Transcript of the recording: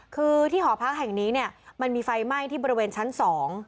คือที่หอพักแห่งนี้เนี่ยมันมีไฟไหม้ที่บริเวณชั้นสอง